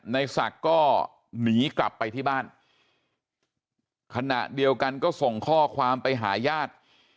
ในศักดิ์ก็หนีกลับไปที่บ้านขณะเดียวกันก็ส่งข้อความไปหาญาติ